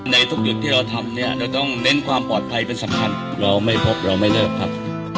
ในทุกจุดที่เราทำเนี่ยเราต้องเน้นความปลอดภัยเป็นสำคัญเราไม่พบเราไม่เลิกครับ